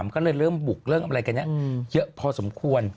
ก็เลยเริ่มบุกเริ่มอะไรกันเยอะพอสมควร